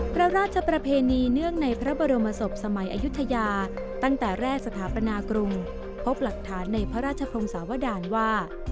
พระราชประเพณีเนื่องในพระบรมศพสมัยอายุทยาตั้งแต่แรกสถาปนากรุงพบหลักฐานในพระราชพรงศาวดารว่า